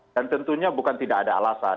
dan tentunya bukan tidak ada alasan